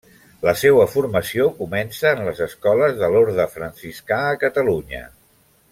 La seua formació començà en les escoles de l'orde franciscà a Catalunya.